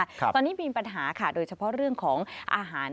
ตอนนี้มีปัญหาค่ะโดยเฉพาะเรื่องของอาหาร